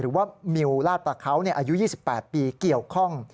หรือว่ามิวลาดประเขาอายุ๒๘ปีเกี่ยวข้อง